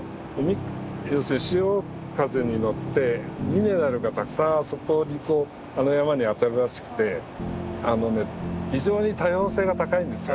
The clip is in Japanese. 要するに潮風に乗ってミネラルがたくさんあそこにこうあの山にあたるらしくて非常に多様性が高いんですよ